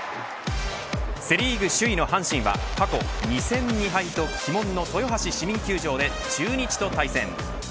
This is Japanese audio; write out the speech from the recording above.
セ・リーグ首位の阪神は過去２戦２敗と鬼門の豊橋市民球場で中日と対戦。